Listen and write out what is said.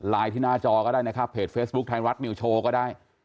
ที่หน้าจอก็ได้นะครับเพจเฟซบุ๊คไทยรัฐนิวโชว์ก็ได้